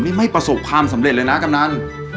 นี่ไม่ประสบความสำเร็จเลยนะกำนัน